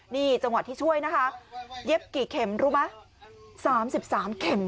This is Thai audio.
นี่จังหวะที่ช่วยนะคะเย็บกี่เข็มรู้ไหม๓๓เข็ม